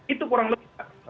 itu kurang lebih